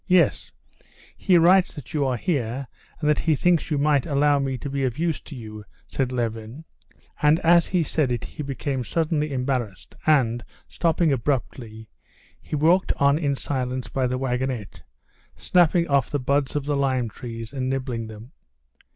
"Yes; he writes that you are here, and that he thinks you might allow me to be of use to you," said Levin, and as he said it he became suddenly embarrassed, and, stopping abruptly, he walked on in silence by the wagonette, snapping off the buds of the lime trees and nibbling them.